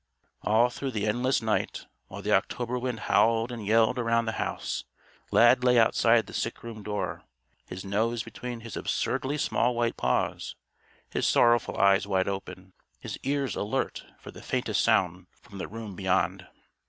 All through the endless night, while the October wind howled and yelled around the house, Lad lay outside the sick room door, his nose between his absurdly small white paws, his sorrowful eyes wide open, his ears alert for the faintest sound from the room beyond.